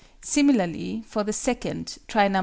Similarly, for the second, try Nos.